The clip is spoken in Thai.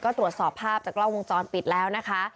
ก็ตรวจสอบภาพจากกล้องวงจรปิดแล้วนะคะ